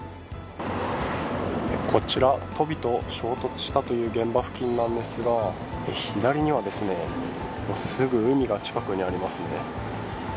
こちら、トビと衝突したという現場付近なんですが左には、すぐ海が近くにありますね。